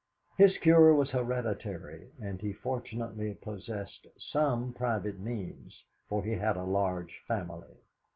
His cure was hereditary, and he fortunately possessed some private means, for he had a large family.